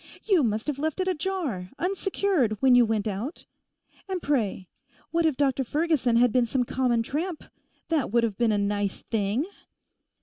You must have left it ajar, unsecured, when you went out. And pray, what if Dr Ferguson had been some common tramp? That would have been a nice thing.